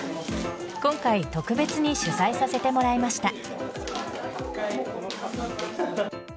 今回特別に取材させてもらいました。